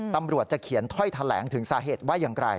ตำรวจจะเขียนถ้อยแถลงถึงสาเหตุว่าอย่างไร